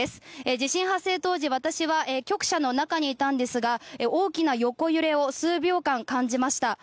地震発生当時私は局舎の中にいたんですが大きな横揺れを数秒間感じました。